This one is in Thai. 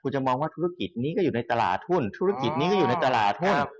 จะมองว่าธุรกิจนี้ก็อยู่ในตลาดหุ้นธุรกิจนี้ก็อยู่ในตลาดหุ้น